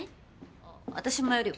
あ私もやるよ。